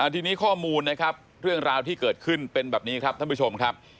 ทีนี้ข้อมูลนะครับเรื่องราวที่เกิดขึ้นเป็นแบบนี้ครับท่านผู้ชมครับ